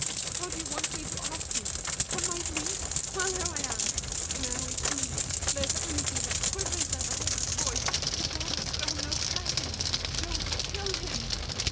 How do you want me to ask you? Upon My knees? Well, here I am! Now if In you there's anything that quivers at A woman's voice, if God has thrown no curse On you—don't kill him!